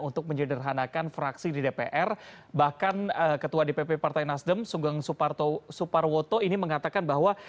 untuk menyederhanakan fraksi di dpr bahkan ketua dpp partai nasdem sugeng suparwoto ini mengatakan bahwa